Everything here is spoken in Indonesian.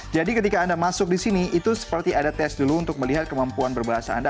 jadi ketika anda masuk di sini itu seperti ada tes dulu untuk melihat kemampuan berbahasa anda